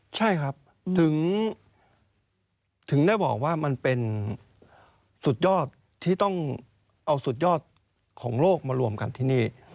ใช่ครับถึงได้บอกว่ามันเป็นสุดยอดที่ต้องเอาสุดยอดของโลกมารวมกันที่นี่